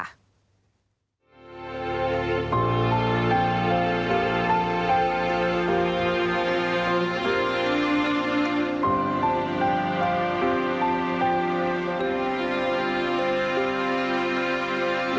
ภาพที่ปรากฏต่อทุกสายตาคงไม่ต้องบรรยายความรู้สึกอะไรอีกแล้วนะคะ